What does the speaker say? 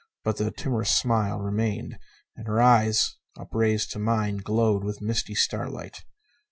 But the timorous smile remained, and her eyes, upraised to mine, glowed with misty starlight.